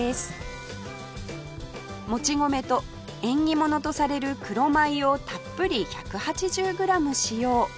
もち米と縁起物とされる黒米をたっぷり１８０グラム使用